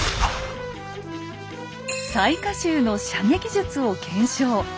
雑賀衆の射撃術を検証。